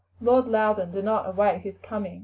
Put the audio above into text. Lord Loudon did not await his coming.